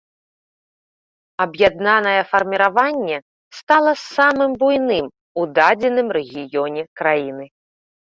Аб'яднанае фарміраванне стала самым буйным у дадзеным рэгіёне краіны.